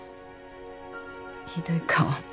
ひどい顔。